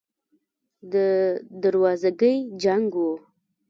د دروازګۍ جنګ و.